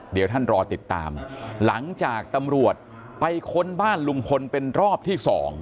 เดี๋ยวท่านรอติดตามหลังจากตำรวจไปค้นบ้านลุงพลเป็นรอบที่๒